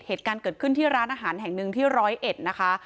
เหตุการณ์เกิดขึ้นที่ร้านอาหารแห่งนึงที่๑๐๑นะคะ